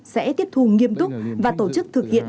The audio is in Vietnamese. sẽ tiếp thù nghiêm túc và tổ chức thực hiện